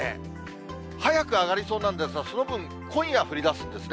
早く上がりそうなんですが、その分、今夜降りだすんですね。